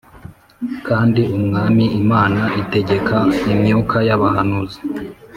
kandi Umwami Imana itegeka imyuka y’abahanuzi,